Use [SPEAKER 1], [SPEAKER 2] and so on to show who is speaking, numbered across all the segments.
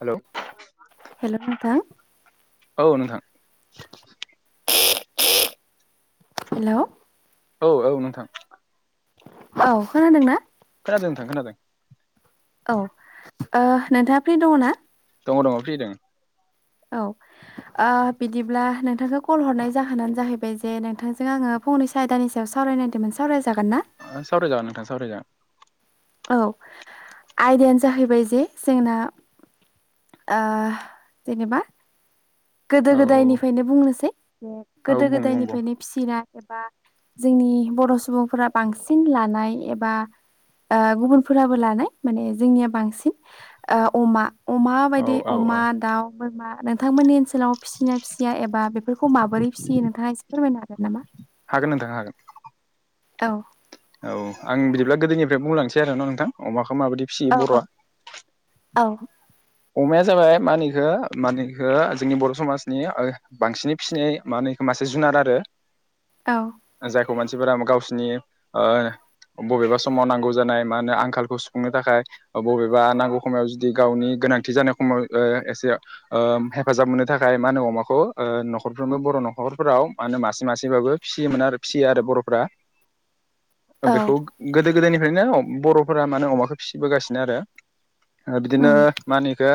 [SPEAKER 1] हेल
[SPEAKER 2] हेल' नोंथां
[SPEAKER 1] औ नोंथां। [inaudible]
[SPEAKER 2] हेलौ
[SPEAKER 1] औ औ नोंथां।
[SPEAKER 2] औ खोनादोंना?
[SPEAKER 1] खोनादों नोंथां खोनादों।
[SPEAKER 2] औ ओ नोंथाङा फ्रि दङ ना?
[SPEAKER 1] औ दं फ्रि दों।
[SPEAKER 2] औ बिदिब्ला नोंथांखौ कल हरनाय जाहोनानो जाहैबाय जे नोंथांजों आङो फंनैसो आयदानि सायाव सान सावरायनायदोंमोन सावराय
[SPEAKER 1] सावरायजागोन नोंथां सावराय जागोन।
[SPEAKER 2] औ आयदायानो जाहैबाय जे जोंना जेनेबा गोदो
[SPEAKER 1] औ
[SPEAKER 2] गोदायनिफ्रायनो बुंनोसै
[SPEAKER 1] औ
[SPEAKER 2] गोदो
[SPEAKER 1] बुं बुं बुं
[SPEAKER 2] गोदायनिफ्रायनो फिसिना एबा जोंनि बर' सुबुंफोरा बांसिन लानाय एबा गुबुनफोराबो लानाय माने जोंनिया बांसिन अमा अमा
[SPEAKER 1] औ
[SPEAKER 2] बायदि
[SPEAKER 1] औ औ
[SPEAKER 2] अमा, दाउ, बोरमा नोंथांमोननि ओनसोलाव फिसिना फिसिया एबा बेफोरखौ माबोरै फिसियो नोंथाङा एसे फोरमायनो हागोन नामा?
[SPEAKER 1] हागोन नोंथां हागोन।
[SPEAKER 2] औ
[SPEAKER 1] औ आं बिदिब्ला गोदोनिफ्राय बुंलांसै आरो न' नोंथां अमाखौ माबायदि फिसियो
[SPEAKER 2] औ
[SPEAKER 1] बर'आ
[SPEAKER 2] औ उम
[SPEAKER 1] अमाया जाबाय मा होनो एखो माने एखौ जोंनि बर' समाजनि बांसिनै फिसिनाय मा होन मासे जुनार आरो।
[SPEAKER 2] औ
[SPEAKER 1] खौ मानसिफोरा गावसिनि बबेबा समाव नांगौ जानाय मा होनो आंखालखौ सुफुंनो थाखाय बबेबा नांगौ समाव जुदि गावनि गोनांथि जानाय समाव एसे हेफाजाब मोननो थाखाय मा होनो अमाखौ नखरफ्रोमबो बर' न'खरफोराव मा होनो मासे मासेबाबो फिसियोमोन आरो फिसियो आरो बर'फ्रा।
[SPEAKER 2] [inaudible]
[SPEAKER 1] बेखौ गोदो गोदायनिफ्रायनो बर'फोरा मानोे अमाखौ फिसिबोगासिनो आरो बिदिनो मानिखो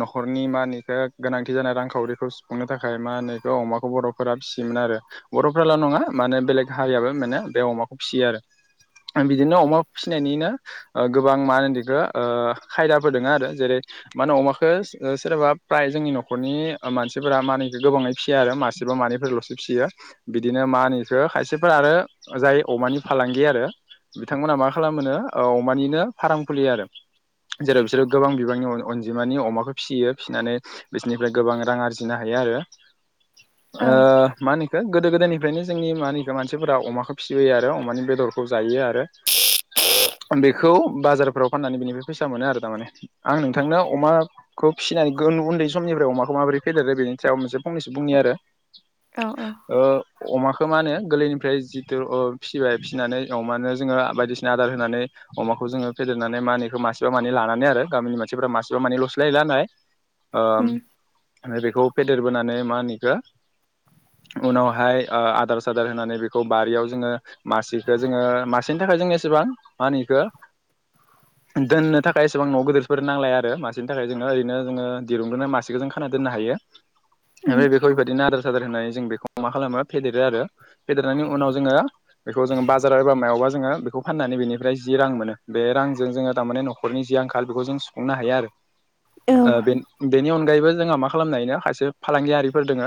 [SPEAKER 1] न'खरनि मा होनो एखौ गोनांथि जानाय रांखावरिखौ सुफुंनो थाखाय मा होनो एखौ अमाखौ बर'फोरा फिसिमोन आरो बर'फ्राल' नङा माने बेलेग हारियाबो माने बे अमाखौ फिसियो आरो। बिदिनो अमा फिसिनायनिनो गोबां मा होनो बिखौ ओ खायदाफोर दङ आरो जेरै मा होनो अमाखो सोरबा फ्राय जोंनि नखरनि मानसिफोरा मानखो गोबाङै फिसिया आरो मासे मानिफोरल'से फिसियो बिदिनो मानिखौ खायसेफोर आरो जाय अमानि फालांगि आरो बिथांमोना मा खालामो अमानिनो फाराम खुलियो आरो जेराव बिसोरो गोबां बिबांनि अनजिमानि अमाखौ फिसियो फिसिनानै बिसोरनिफ्राय गोबां रां आरजिनो हायो। [unintelligible] गोदो गोदायनिफ्रायनो जोंनि मा होनो बिखो मानसिफोरा अमाखौ फि फियो आरो अमानि बेदरखौ जायो आरो। बेखौ बाजारफोराव फाननानै बेनिफ्राय फैसा मोनो आरो थारमाने आं नोंथांनो अमाखौ फिनानै उन्दै समनिफ्राय अमाखौ माबोरै फेदेरो बेनि सायाव मोनसे फंनैसो बुंनि आरो
[SPEAKER 2] औ औ
[SPEAKER 1] ओ अमाखौ मा होनो गोरलैनिफ्राय जि बे फिबाय फिसिनानै अमानो जोङो बायदिसिना आदार होनानै अमाखौ जोङो फेदेरनानै माहोनो एखौ मा मासेबा मानै लानानै आरो गामिनि मानसिफोरा मासेबा मानै लसो लायोनाय
[SPEAKER 2] उम
[SPEAKER 1] ओमफ्राय बेखौ फेदेरबोनानै मा होनोखौ उनावहाय ओ आदार सादार होनानै बेखौ बारियाव जोङो मासेखौ जोङो मासेनि थाखाय जों एसेबां मा होनो एखौ
[SPEAKER 2] [inaudible] [unintelligible]
[SPEAKER 1] दोननो थाखाय एसेबां न' गिदिरफोर नांलाया आरो मासेनि थाखाय जोंनो ओरैनो जोङो दिरुंदोंनो मासेखौ जों खाना दोननो हायो
[SPEAKER 2] [inaudible]
[SPEAKER 1] ओमफ्राय बेखौ बेबायदिनो आदार सादार होननानै जों बेखौ मा खालामो फेदेरो आरो फेदेरनानै उनाव उनाव जोङो बेखौ जोङो बाजाराव एबा मायावबा जोङो बेखौ फाननानै बेनिफ्राय जि रां मोनो बे रांजों जोङो थारमाने नखरनि जि आंखाल बेखौ जों सुफुंनो हायो आरो
[SPEAKER 2] औ
[SPEAKER 1] ओ बेन बेनि अन अगायबो जोङो मा खालामनोहायोनो खायसे फालांगियारिफोर दोङो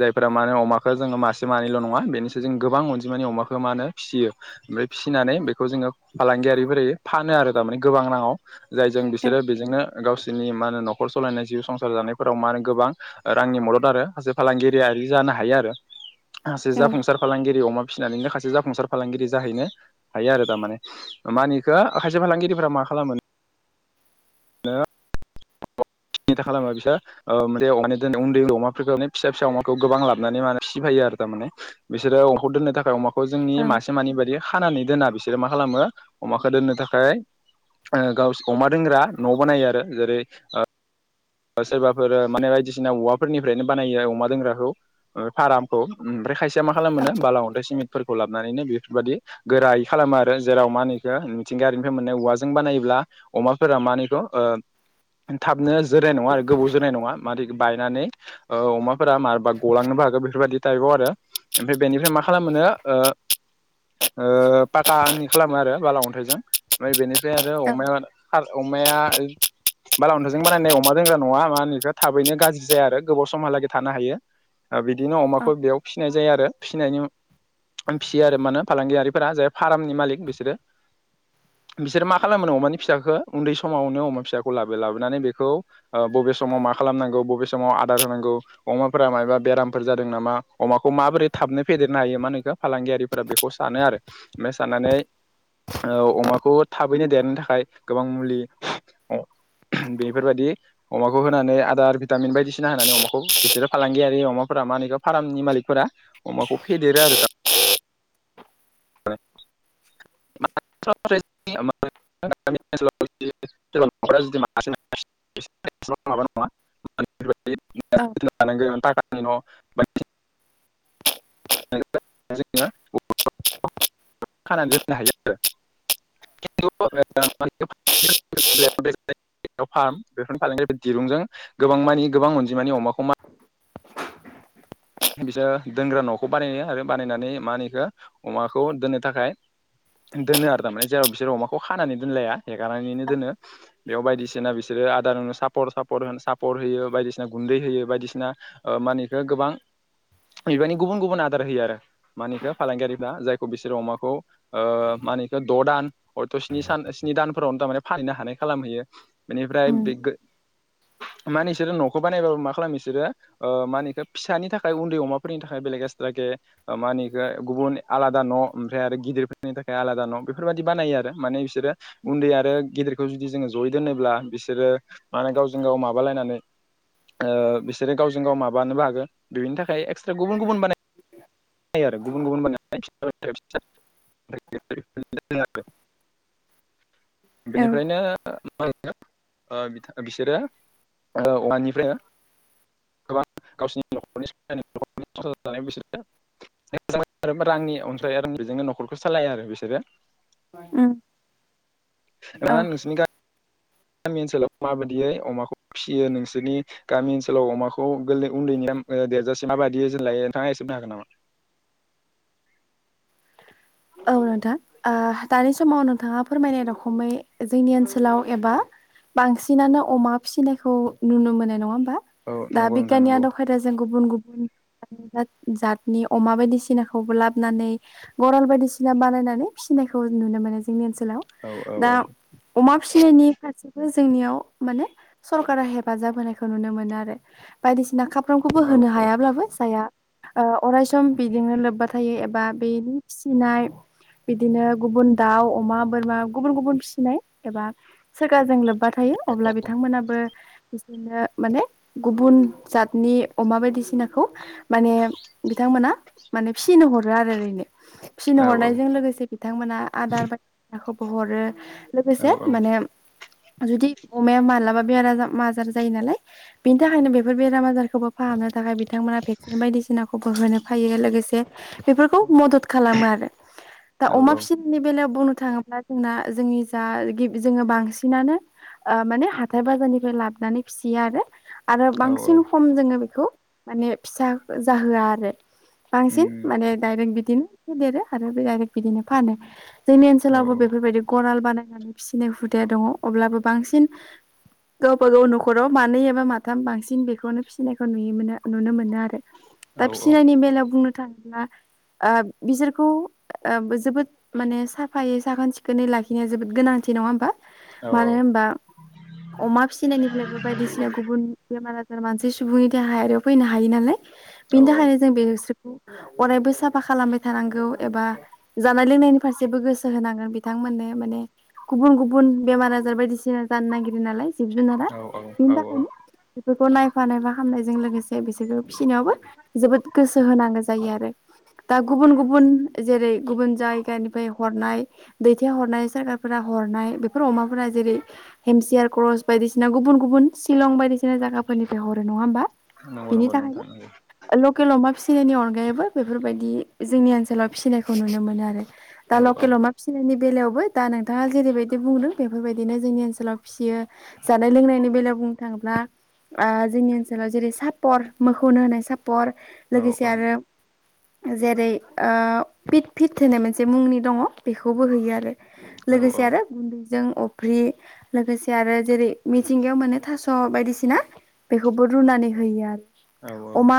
[SPEAKER 1] जायफोरा माने अमाखौ जोङो मासे मानैल' नङा बेनोसै जों गोबां अनजिमानि अमाखौ मा होन फिसियो ओमफ्राय फिसिनानै बेखौ जोङो फालांगियारिफोरै फानो आरो दा माने गोबां राङाव जायजों बिसोरो बेजोंनो गावसि मा होन नखर सालायनाय जिउ संसार जानायफोराव मा होन गोबां रांनि मदद आरो सासे फालांगिरियारि जा नों हायो आरो मासे जाफुंसार जेरै अमा फिसिनानैनो खायसे जाफुंसार फालांगिरि जाहैनो हायो आरो थारमाने माहोनो एखौ खायसे फालांगिरि रिफोरा मा खालामो द [inaudible] सिनिथा खालामा बिसोर ओ माने [inaudible] उन्द उन्दै अमाफोरखौ फिसा फिसा अमाखौ गोबां लाबानै माहोनो फिसिफैयो थारमाने बिसोरो अमाखौ दोननो थाखाय अमाखौ जोंनि
[SPEAKER 2] औ
[SPEAKER 1] मासे मानि बायदि खानानै दोना बिसोरो मा खालामो अमाखौ दोननो थाखाय ओ गावस अमा दोंग्रा न' बानायो आरो जेरै ओ सोरबाफोर माने बायदिसिना औवाफोरनिफ्रायनो बानायो अमा दोंग्राखौ ओ फारामखौ ओमफ्राय खायसेया मा खालाम
[SPEAKER 2] औ
[SPEAKER 1] मोनो बाला अन्थाय सिमित फोरखौ लाबानानैनो बेफोरबायदि गोरायै खालामो आरो जेराव मा होनोएखो मिथिंगायारिनिफ्राय मोननाय औवाजों बानायोब्ला अमाफोरा मा होनो इखो ओ थाबनो जोरनाय नङा आरो गोबाव जोनाय नङा मादै होनो एखौ बायनानै अमाफोरा मारबा गलांनोबो हागो बेफोरबायदि टाइपआव आरो ओमफ्राय बेनिफ्राय मा खालामोनो ओ ओ पाकानि खालामो आरो बाला अन्थाइजों ओमफ्राय बेनिफ्राय आरो अमाया
[SPEAKER 2] औ
[SPEAKER 1] अमाया बाला अन्थाजों बानायनाय अमा दोंग्रा नङा मा होन बेखौ थाबैनो गाज्रि जाया आरो गोबाव समहालागै थानो हायो ओ बिदिनो
[SPEAKER 2] औ
[SPEAKER 1] अमाखौ बेयाव फिसिनाय जायो आरो फिसिनायनि फियो आरो मा होन फालांगियारिफोरा जे फार्मनि मालिक बिसोरो बिसोरो मा खालामोनो अमानि फिसाखौ उन्दै समावनो अमा फिसाखौ लाबो लाबोनानै बेखौ बबे समाव मा खालामनांगौ बबे समाव आदार होनांगौ अमाफोरा मायबा बेरामफोर जादों नामा अमाखौ माबोरै थाबनो फेदेरनो हायो मा होनो बेखौ फालांगियारिफोरा बेखौ सानो आरो ओमफ्राय साननानै ओ अमाखौ थाबैनो देरनो थाखाय गोबां मुलि बेफोरबायदि अमाखौ होनानै आदार भिटामिन बायदिसिना होनानै अमाखौ बिसोरो फालांगियारि अमाफोरा मा होनखौ फार्मनि मालिकफोरा अमाखौ फेदेरो आरो [inaudible] [unintelligible] [inaudible]
[SPEAKER 2] [inaudible] औ
[SPEAKER 1] [unintelligible] [inaudible] जोङो [unintelligible] [inaudible] खानानै दोननो हायो आरो। [inaudible] फार्म बेफोरनि [unintelligible] [inaudible] दिरुंजों गोबां मानि गोबां अनजिमानि अमाखौ मा बिसोर दोनग्रा न'खौ बानायो आरो बानायनानै मा होनो बेखौ अमाखौ दोननो थाखाय दोनो आरो थारमाने जेराव बिसोर अमाखौ खानानै दोनलाया हेगारनानैनो दोनो। बेयाव बायदिसिना बिसोरो आदारनो सापर सापर होयो सापर होयो बायदिसिना गुन्दै होयो बायदिसिना ओ मा होनो बेखौ गोबां
[SPEAKER 2] [inaudible]
[SPEAKER 1] बेबायदि गुबुन गुबुन आदार होयो आरो मा होनो बेखौ फालांगियारिफ्रा जायखौ बिसोरो अमाखौ ओ मा होनो बेखौ द' दान हयथ' स्नि सान स्नि दानफोरावनो थारमाने फानहैनो हानाय खालामहैयो। बिनिफ्राय
[SPEAKER 2] उम
[SPEAKER 1] बे गो मा होनो बिसोरो न'खौ बानायबाबो मा खालामो बिसोरो ओ मा होनो फिसानि थाखाय उन्दै अमाफोरनि थाखाय बेलेग एक्सट्राके मा होनो बेखौ गुबुन आलादा न' ओमफ्राय आरो गिदिरफोरनि थाखाय आलादा न' बेफोरबायदि बानायो आरो माने बिसोर उन्दै आरो गिदिर खौ जुदि जोङो जयै दोनोब्ला बिसोरो माने गावजों गाव माबालायनानै ओ बिसोरो गावजों गाव माबानोबो हागोन बेनि थाखाय एक्सट्रा गुबुन गुबुन बानायो आरो गुबुन गुबुन बानाय [inaudible] [unintelligible]
[SPEAKER 2] औ
[SPEAKER 1] बेनिफ्रायनो [unintelligible] ओ बिसोरो अमानिफ्रायनो गोबां गावसिनि नखरनि [unintelligible] बिसोरो [unintelligible] रांनि अनसाय बेजोंनो न'खरखौ सालाया आरो बिसोरो
[SPEAKER 2] उम
[SPEAKER 1] नंङा
[SPEAKER 2] औ
[SPEAKER 1] नोंसिनि गाम गामि ओनसोलाव माबायदियै अमाखौ फिसियो नोंसोरनि गामि ओनसोलाव अमाखौ गोरलै उन्दैनि देरजासे माबायदि जोथोन लायो नोंथाङा एसे बुंनो हागोन नामा?
[SPEAKER 2] [inaudible] औ नोंथां ओ दानि समाव नोंथाङा फोरमायनाय रखमै जोंनि ओनसोलाव एबा बांसिनानो अमा फिसिनायखौ नुनो मोननाय नङा
[SPEAKER 1] औ
[SPEAKER 2] बा
[SPEAKER 1] नंगौ नोंथां
[SPEAKER 2] बिगियाननि
[SPEAKER 1] नंगौ
[SPEAKER 2] आदब खायदाजों गुबुन गुबुन जातनि अमा बायदिसिनाखौबो लाबानै गराल बायदि सिना बानायनानै फिसिनायखौ नुनो मोनो जोंनि ओनसो लाव
[SPEAKER 1] औ औ
[SPEAKER 2] दा
[SPEAKER 1] औ
[SPEAKER 2] अमा फिसिनायनि फारसेबो जोंनियाव माने सरकारा हेफाजाब होनायखौ नुनो मोनो आरो बायदिसिना खा [unintelligible]
[SPEAKER 1] औ
[SPEAKER 2] होनो हायाब्लाबो जाया अरायसम बिदिनो लोब्बा थायो ए बा बेनि फिसिनाय बिदिनो गुबुन दाउ, अमा, बोरमा गुबुन गुबुन फिसिनाय एबा सरकारजों लोब ब्बा थायो अब्ला बिथांमोनाबो बिदिनो माने गुबुन जातनि अमा बायदिसिनाखौ माने बिथांमोना माने फिसिनो हरो आरो ओरैनो फिसिनो
[SPEAKER 1] औ
[SPEAKER 2] हर नायजों लोगोसे बिथांमोना आदार बायदिनाखौबो हरो
[SPEAKER 1] औ
[SPEAKER 2] लोगोसे माने जुदि अमाया मालाबा बेरा आजार जायो नालाय बेनि थाखायनो बेफोर बेराम आजारखौबो फाहामो थाखाय बिथांमोना भेक्सिन बायदिसिनाखौबो होनो फायो लोगोसे बेफोरखौ मदद खालामो आरो दा
[SPEAKER 1] औ
[SPEAKER 2] अमा फिसिनायनि बेलायाव बुंनो थाङोब्ला जोंना जोंनि जा जोङो बांसिनानो ओ माने हाथथाय बाजारनिफ्राय लाबोनानै फिसियो आरो आरो
[SPEAKER 1] औ
[SPEAKER 2] बांसिन खम जोङो बेखौ माने फिसा जाहोआ आरो बांसिन माने दडाइरेक्ट बिदिनो फेदेरो आरो बे डायरेक्ट बिदिनो फानो जोंनि ओनसोलावबो बेफोरबायदि गराल बानायनानै फिसिनाय हुदाया दङ अब्लाबो बांसिन गावबाागाव न'खराव मानै एबा माथाम बांसिन बेखौनो फिसिनायखौ नुयो नुनो मोनो आरो दा फिनायनि बेलायाव बुंनो थाङोब्ला ओ बिसोर बेखौ जोबोद माने साफायै साखोन सिखोनै लाखिनाया जोबोद गोनांथि नङा होमबा
[SPEAKER 1] औ
[SPEAKER 2] मानो होनबा अमा फिसिनायनिफ्रायबो बायदिसिना गुबुन बेमार मानसे सुबुंनि देहायारियाव फैनो हायो नालाय
[SPEAKER 1] औ
[SPEAKER 2] बिनि
[SPEAKER 1] औ
[SPEAKER 2] थाखायनो जों बे अरायबो साफा खालामबाय थानांगौ। एबा जानाय लोंनायनि फारसेबो गोसो होनांगोन बिथांमोननो माने गुबुन गुबुन बेमार आजार बायदिसिना जानो नागिरो नालाय। जिब जुनारा
[SPEAKER 1] औ औ
[SPEAKER 2] बिनि
[SPEAKER 1] औ
[SPEAKER 2] थाखायनो बेफोरखौ नायफा नाय बा खामनायजों लोगोसे बिसोरबो। फिसिनायावबो जोबोद गोसो होनांगौ जायो आरो दा गुबुन गुबुन गुबुन जेरै गुबुन जायगानिफ्राय हरनाय दैथाय हरनाय सोररखारारफोरा हरनाय बेफोर अमाफोरा जेरै हेमसियार क्रस बायदिसिना गुबुन गुबुन सिशलं बायदिसिना जायाफोरनिफ्राय हरो नङा ओमबा?
[SPEAKER 1] नंगौ
[SPEAKER 2] बिनि
[SPEAKER 1] नंगौ नोंथां
[SPEAKER 2] थाखायनो
[SPEAKER 1] नंगौ
[SPEAKER 2] लकेल अमा फिसिनायनि अनगायैबो बेफोरबायदि जोंनि ओ ाव फिसिनायखौ नुनो मोनो आरो दा
[SPEAKER 1] औ
[SPEAKER 2] लकेल अमा फिसिनायनि बेलायावबो दा न दा जेरैबायदि बुंदों बेफोरबायदि बिदिनो जोंनि ओनसोलाव फिसियो जानाय लोंनायनि बेलायाव बुंनो थाङोब्ला जोंनि ओनसोलाव जेरै सापर मोखौनो होनाय सापर पर
[SPEAKER 1] औ
[SPEAKER 2] लोगोसे
[SPEAKER 1] औ
[SPEAKER 2] आरो जेरै फिट फिट होनाय मोनसे मुंनि दङ बेखौबोो होयो आरो
[SPEAKER 1] औ
[SPEAKER 2] लोगोसे आरो गुन्दै जों अफ्रि लोगोसे आरो जेरै मिथिंगायाव मोनो थास' बायदिसिना बेखौबो रुनानै होयो आरो
[SPEAKER 1] औ औ
[SPEAKER 2] अमा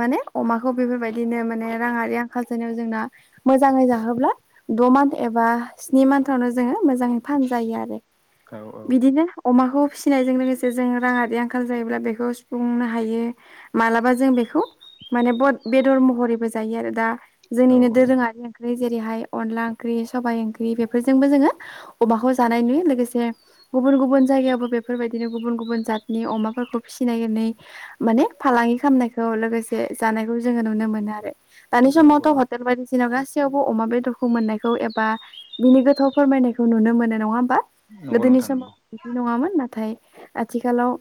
[SPEAKER 2] माने अमाखौ बेफोरबायदिनो माने राङारि आं माखसेानायाव जोंना मोजाङै जाहोब्ला द' मान्थ एबा स्नि मान्थावनो जोङो मोजाङै। फानजायो आरो
[SPEAKER 1] औ
[SPEAKER 2] बिदिनो अमाखौ फिसिनायजों लोगोसे जों राङारि आंखाल जायोब्ला बेखौ सुफुंनो हायो मालाबा जों बेखौ माने बेदर महरैबो जायो आरो दा
[SPEAKER 1] औ
[SPEAKER 2] जोंनिनो
[SPEAKER 1] औ
[SPEAKER 2] दोरोङारि ओ जेरैहाय अनला ओंख्रि सबायाइ ओंख्रि बेफोरजोंबो जोङो अमाखौ जानाय नुयो लोगोसे। गुबुन गुबुन जायगायावबो बेफोरबायदिनो गुबुन गुबुन जातनि अमाफोरखौ फिसिनायनानै माने फालांग [unintelligible] खामनायखौ लोगोसे जानायखौ जो नुनो मोनो आरो दानि समावथ'
[SPEAKER 1] औ
[SPEAKER 2] हटेल बायदिसि जेननाव गासैयावबो अमा बेदरखौ मोननायखौ एबा बिनि गोथाव फोरमायनायखौ नुनो मोनो नङा। बा
[SPEAKER 1] नंगौ
[SPEAKER 2] गोदोनि
[SPEAKER 1] नोंथां
[SPEAKER 2] समाव
[SPEAKER 1] नंगौ
[SPEAKER 2] बिदि नङामोन नाथाय आथिखालाव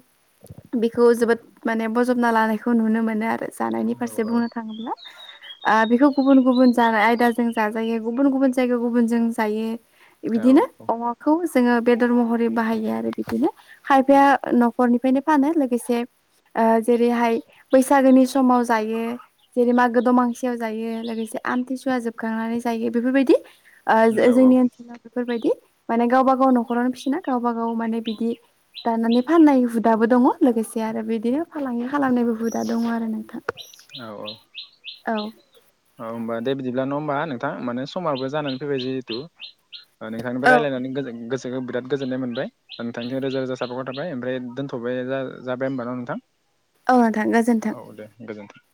[SPEAKER 2] बेखौ जोबोद माने बजबना लानायखौ नुनो मोनो आरो जानायनि
[SPEAKER 1] औ औ
[SPEAKER 2] फारसे
[SPEAKER 1] औ
[SPEAKER 2] बुंनो थाङोब्ला बेखौ गुबुन गुबुन जानाय आयदाजों जाजायो गुबुन गुबुन जायगा गुबुनजों जायो।
[SPEAKER 1] औ
[SPEAKER 2] बिदिनो अमाखौ जोङो बेदर महरै बाहायो आरो बिदिनो खायफाया न'खरनिफ्रायनो फानो लोगोसे जेरैहाय बैसागोनि समाव जायो जेरै मागो दमासियाव जायो। लोगोसे आमथिसुवा जोबखांनानै जायो बेफोरबायदि ओ
[SPEAKER 1] औ
[SPEAKER 2] जोंनि ओनसोलाव बेफोरबायदि माने गावबा गाव न'खरावनो फिसिना गावब गाव माने बिदि दानानै फाननाय हुदाबो दङ लोगोसे आरो बिदिनो फालांगि खालामांनायबो हुदा दङ आरो नोंथां,
[SPEAKER 1] औ औ
[SPEAKER 2] औ
[SPEAKER 1] औ होमबा दे बिदिब्ला नङा होमबा नोंथां माने समाबो जानानै फैबाय जिहेथु ओ नोंथांनिफ्राय
[SPEAKER 2] औ
[SPEAKER 1] रायज्लायनानै गोजोन गोस बिराद गोजोननाय मोनबाय नोंथांखौ रोजा रोजा साबायखर थाबाय ओमफ्राय दोनथ'बाय जा जाबाय होमबा ना नोंथां?
[SPEAKER 2] औ नोंथां गोजोन्थों।
[SPEAKER 1] औ दे गोजोनथों।